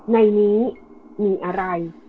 ในนี้มีอะไร